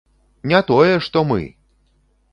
Не тое што мы!